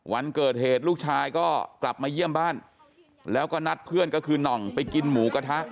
วันเกิดเหตุลูกชายก็กลับมาเยี่ยมบ้านแล้วก็นัดเพื่อนก็คือน่องไปกินหมูกระทะ